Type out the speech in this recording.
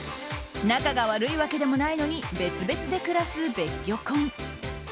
仲が悪いわけでもないのに別々で暮らす別居婚。